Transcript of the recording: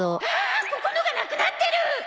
あーっここのがなくなってる！